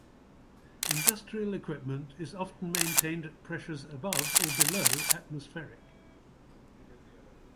Industrial equipment is often maintained at pressures above or below atmospheric.